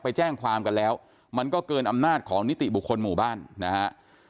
ไปแจ้งความกันแล้วมันก็เกินอำนาจของนิติบุคคลหมู่บ้านนะฮะ